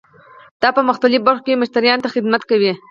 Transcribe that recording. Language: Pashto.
دا په مختلفو برخو کې مشتریانو ته خدمت کوي.